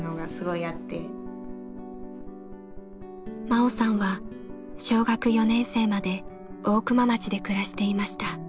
真緒さんは小学４年生まで大熊町で暮らしていました。